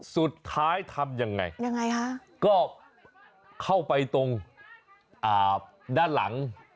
สุดจากทำอย่างไรก็เข้าไปตรงด้านหลัง